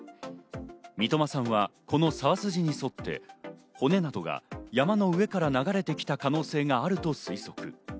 三苫さんは、この沢筋に沿って骨などが山の上から流れてきた可能性があると推測。